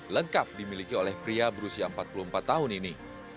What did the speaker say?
lengkap dimiliki oleh pria berusia empat puluh empat tahun ini